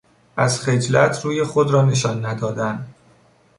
از خجلت روی خود را نشان ندادن